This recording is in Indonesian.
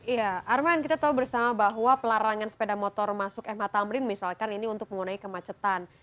iya arman kita tahu bersama bahwa pelarangan sepeda motor masuk mh tamrin misalkan ini untuk mengenai kemacetan